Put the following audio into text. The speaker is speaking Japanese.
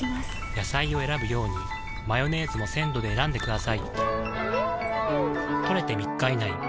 野菜を選ぶようにマヨネーズも鮮度で選んでくださいん！